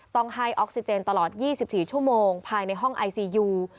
ต้องให้ออกซิเจนตลอด๒๔ชั่วโมงภายในห้องไอซียู